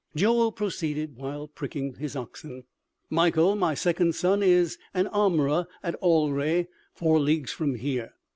Joel proceeded while pricking his oxen: "Mikael, my second son, is an armorer at Alrè, four leagues from here....